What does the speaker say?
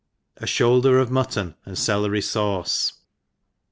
A Shoulder g^ Mutton tfW Celery Sauce.